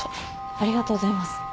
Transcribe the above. ありがとうございます。